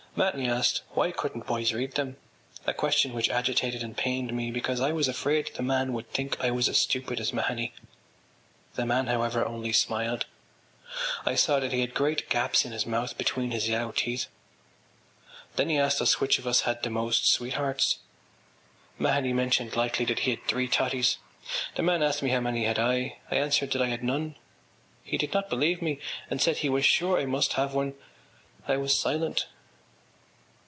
” Mahony asked why couldn’t boys read them—a question which agitated and pained me because I was afraid the man would think I was as stupid as Mahony. The man, however, only smiled. I saw that he had great gaps in his mouth between his yellow teeth. Then he asked us which of us had the most sweethearts. Mahony mentioned lightly that he had three totties. The man asked me how many had I. I answered that I had none. He did not believe me and said he was sure I must have one. I was silent.